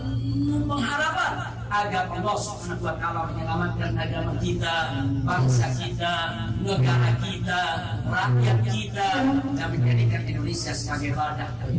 untuk menyelamatkan agama kita bangsa kita negara kita rakyat kita dan menjadikan indonesia sebagai badan